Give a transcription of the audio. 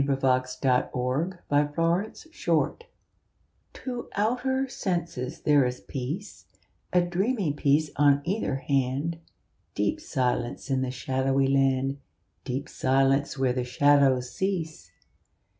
fi4S] II LA FUITE DE LA LUNE TO outer senses there is peace, A dreamy peace on either hand, Deep silence in the shadowy land, Deep silence where the shadows cease.